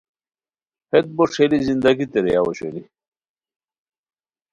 ہیت بو ݰئیلی زندگی تیرئیاؤ اوشونی